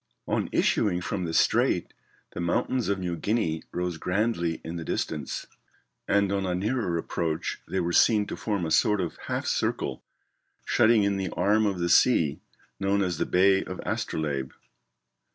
] On issuing from the strait the mountains of New Guinea rose grandly in the distance; and on a nearer approach they were seen to form a sort of half circle shutting in the arm of the sea known as the Bay of Astrolabe.